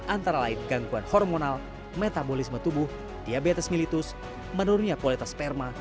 antara lain gangguan hormonal metabolisme tubuh diabetes militus menurunnya kualitas sperma